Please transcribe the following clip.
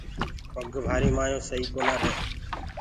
پگ ڀآري مآيونٚ سئي ڪونآ رهينٚ۔